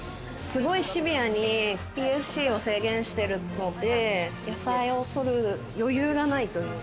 すごいシビアにＰＦＣを制限しているので、野菜を取る余裕がないという。